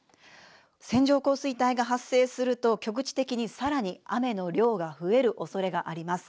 線状降水帯が発生すると局地的にさらに雨の量が増えるおそれがあります。